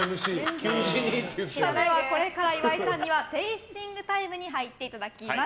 これから岩井さんにはテイスティングタイムに入っていただきます。